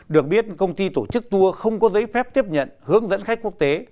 được biết công ty tổ chức tour không có giấy phép tiếp nhận hướng dẫn khách quốc tế